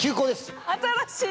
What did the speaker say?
新しい。